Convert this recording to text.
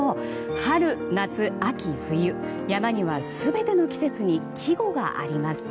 春、夏、秋、冬山には全ての季節に季語があります。